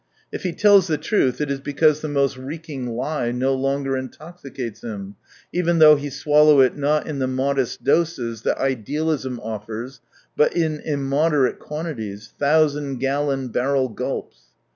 If he tells the truth, it is because the most reeking lie no longer intoxicates him, even though he swallow it not in the modest doses that idealism offers, but in immoderate quantities, thousand gallon barrel gulps.